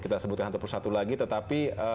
kita sebutkan satu persatu lagi tetapi